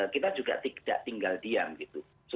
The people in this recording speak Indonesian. kita juga tidak tinggal diam gitu